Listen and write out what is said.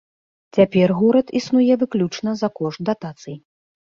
Цяпер горад існуе выключна за кошт датацый.